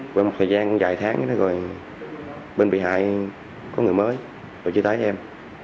với một thời gian dài tháng bên bị hại có người mới rồi chưa thấy em